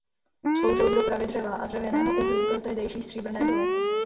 Sloužil k dopravě dřeva a dřevěného uhlí pro tehdejší stříbrné doly.